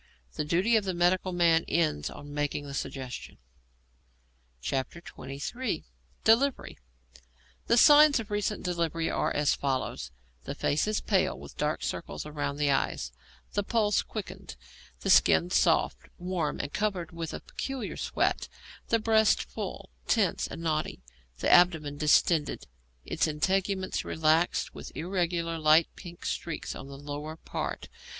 The duty of the medical man ends on making the suggestion. XXIV. DELIVERY The signs of recent delivery are as follows: The face is pale, with dark circles round the eyes; the pulse quickened; the skin soft, warm, and covered with a peculiar sweat; the breasts full, tense, and knotty; the abdomen distended, its integuments relaxed, with irregular light pink streaks on the lower part.